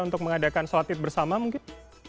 untuk mengadakan sholat id bersama mungkin